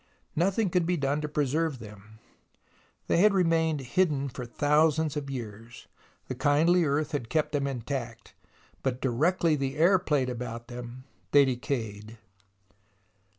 Nothing could be done to preserve them. They had remained hidden for thousands of years. The kindly earth had kept them intact, but directly the air played about them they decayed.